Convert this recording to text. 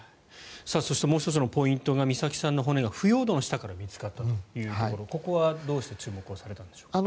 そしてもう１つのポイントが美咲さんの骨が腐葉土の下から見つかったということここは、どうして注目されたのでしょうか。